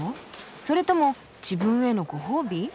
それとも自分へのご褒美？